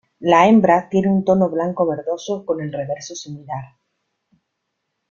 La hembra tiene un tono blanco-verdoso, con el reverso similar.